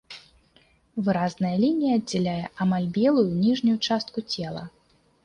Выразная лінія аддзяляе амаль белую ніжнюю частку цела.